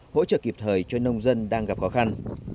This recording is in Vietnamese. hỗ trợ kịp thời cho nông dân đang gặp khó khăn